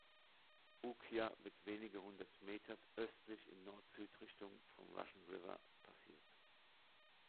Ukiah wird wenige hundert Meter östlich in Nord-Süd-Richtung vom Russian River passiert.